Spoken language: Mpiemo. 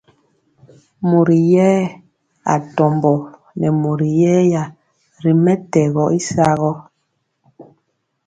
Mori yɛ atombo nɛ mori yɛya ri mɛtɛgɔ y sagɔ.